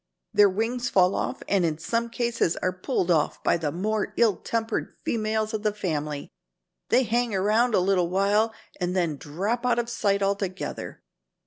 Their wings fall off and in some cases are pulled off by the more ill tempered females of the family. They hang around a little while and then drop out of sight altogether.